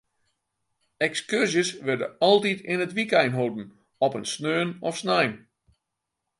Ekskurzjes wurde altyd yn it wykein holden, op in saterdei of snein.